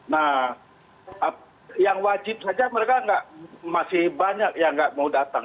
nah yang wajib saja mereka masih banyak yang nggak mau datang